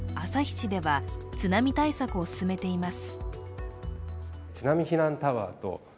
市では、津波対策を進めています。